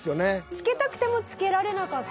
付けたくても付けられなかった。